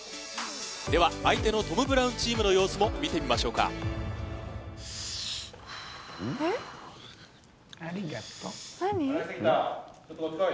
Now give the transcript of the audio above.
では相手のトム・ブラウンチームの様子も見てみましょうかありがと